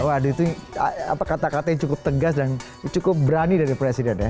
waduh itu kata kata yang cukup tegas dan cukup berani dari presiden ya